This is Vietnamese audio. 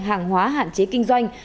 hàng hóa hạn chế kinh doanh